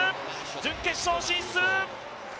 準決勝進出！